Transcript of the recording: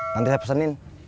nanti saya pesenin